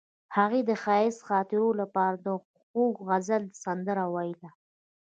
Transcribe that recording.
هغې د ښایسته خاطرو لپاره د خوږ غزل سندره ویله.